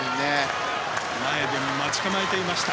前で待ち構えていました。